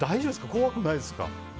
怖くないですか。